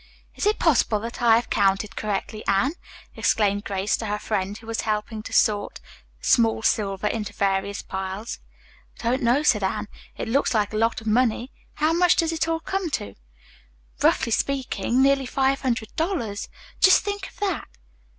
"Is it possible that I have counted correctly, Anne!" exclaimed Grace to her friend, who was helping to sort small silver into various piles. "I don't know," said Anne, "it looks like a lot of money. How much does it all come to?" "Roughly speaking, nearly five hundred dollars. Just think of that."